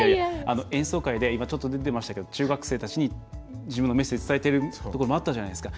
演奏会で出てましたけど中学生たちに自分のメッセージ伝えてるところもあったじゃないですか。